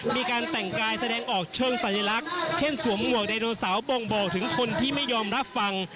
มีการแต่งกายแสดงออกเชิงสัญลักษณ์เช่นสวมหมวกไดโนเสาร์บ่งบอกถึงคนที่ไม่ยอมรับฟัง